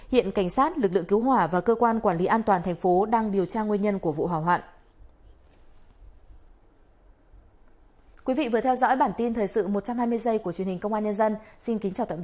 hiện cảnh sát lực lượng cứu hỏa và cơ quan quản lý an toàn thành phố đang điều tra nguyên nhân của vụ hỏa hoạn